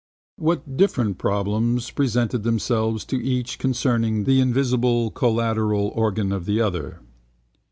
What different problems presented themselves to each concerning the invisible audible collateral organ of the other?